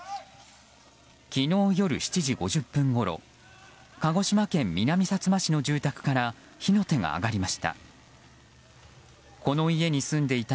昨日夜７時５０分ごろ鹿児島県南さつま市の住宅から火の手が上がりました。